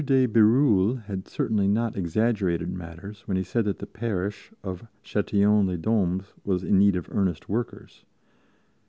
DE BÉRULLE had certainly not exaggerated matters when he said that the parish of Châtillon les Dombes was in need of earnest workers.